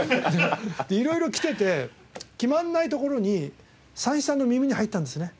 で色々来てて決まらないところに三枝さんの耳に入ったんですね